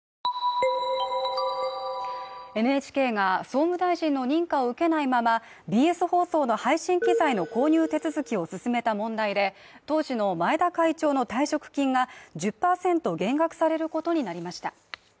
ＮＨＫが総務大臣の認可を受けないまま、ＢＳ放送の配信機材の購入手続きを進めた問題で当時の前田会長の退職金が１０％減額されることになりました。